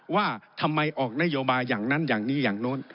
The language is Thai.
ว่าทำไมออกนโยบายอย่างนั้นอย่างนี้อย่างโน้น